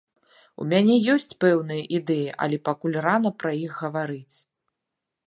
У мяне ёсць пэўныя ідэі, але пакуль рана пра іх гаварыць.